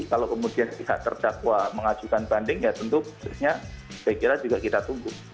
kalau kemudian pihak terdakwa mengajukan banding ya tentu prosesnya saya kira juga kita tunggu